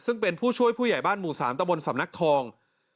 ซึ่งเป็นผู้ช่วยผู้ใหญ่บ้านหมู่๓ตะบนสำนักทอง